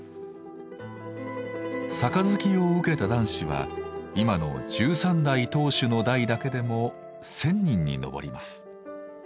杯を受けた男子は今の１３代当主の代だけでも１，０００人に上ります。